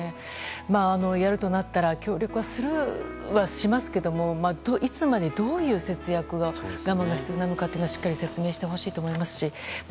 やるとなったら協力はしますがいつまで、どういう節約我慢が必要なのかをしっかり説明してほしいと思います。